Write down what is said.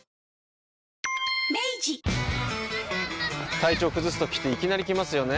体調崩すときっていきなり来ますよね。